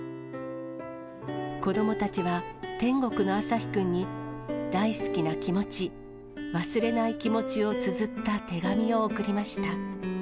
子どもたちは、天国のあさひくんに、大好きな気持ち、忘れない気持ちをつづった手紙を送りました。